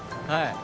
はい